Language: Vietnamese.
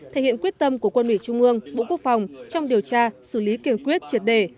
thể hiện quyết tâm của quân ủy trung ương bộ quốc phòng trong điều tra xử lý kiên quyết triệt đề